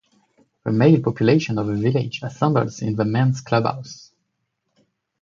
The male population of the village assembles in the men’s clubhouse.